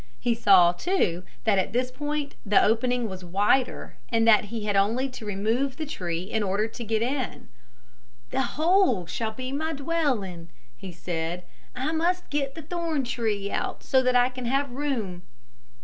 He saw, too, that at this point the opening was wider and that he had only to remove the tree in order to get in. "The hole shall be my dwelling," he said. "I must get the thorn tree out so that I can have room."